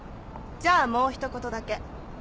じゃあもうひと言だけ。